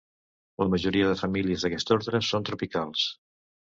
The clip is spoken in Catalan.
La majoria de famílies d'aquest ordre són tropicals.